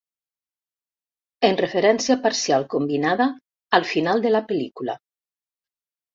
En referència parcial combinada al final de la pel·lícula.